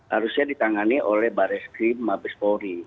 harusnya ditangani oleh baris krim mabes polri